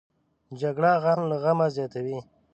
جګړه غم له غمه زیاتوي